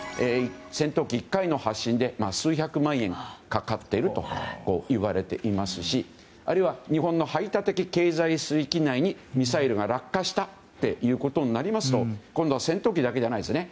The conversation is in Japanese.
戦闘機１回の発進で数百万円かかっていると言われていますし、あるいは日本の排他的経済水域内にミサイルが落下したということになりますと今度は戦闘機だけじゃないですね。